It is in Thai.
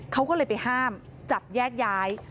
เขาก็เลยไปห้ามจับแยกย้าย